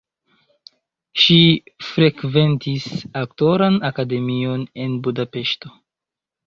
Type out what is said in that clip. Ŝi frekventis aktoran akademion en Budapeŝto.